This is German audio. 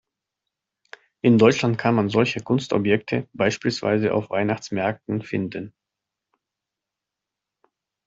In Deutschland kann man solche Kunstobjekte beispielsweise auf Weihnachtsmärkten finden.